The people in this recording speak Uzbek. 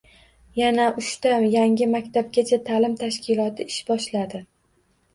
Yana uchta yangi maktabgacha ta’lim tashkiloti ish boshladi